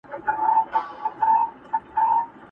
دا بې ذوقه بې هنره محفلونه زموږ نه دي.